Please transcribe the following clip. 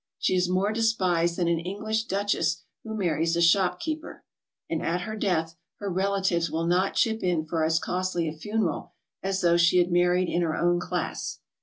She is more despised than an English duchess who marries a shopkeeper, and at her death her relatives will not chip in for as costly a funeral as though she had married in her own class.